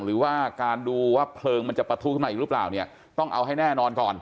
หรือว่าการดูว่าเพลิงมันจะประทุขึ้นมาอีกหรือเปล่าเนี่ยต้องเอาให้แน่นอนก่อน